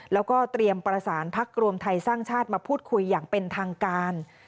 แล้วก็เตรียมประสานพักรวมไทยสร้างชาติมาพูดคุยอย่างเป็นทางการ